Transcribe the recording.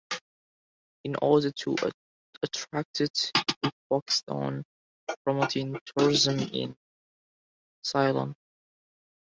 In order to attracted he focused on promoting Tourism in Ceylon.